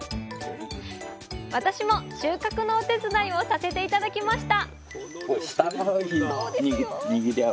私も収穫のお手伝いをさせて頂きました